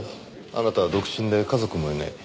あなたは独身で家族もいない。